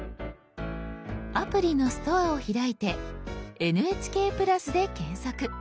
アプリの「ストア」を開いて「ＮＨＫプラス」で検索。